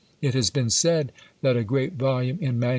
It has been said that a great volume in MS.